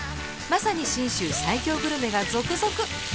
まさに信州最強グルメが続々！